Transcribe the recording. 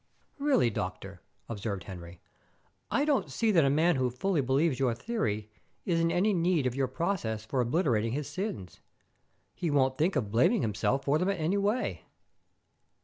"Really, doctor," observed Henry, "I don't see that a man who fully believes your theory is in any need of your process for obliterating his sins. He won't think of blaming himself for them any way."